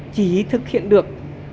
chỉ thực hiện được